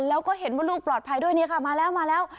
แล้วก็เห็นว่าลูกปลอดภัยด้วยนี่ค่ะมาแล้วมาแล้ว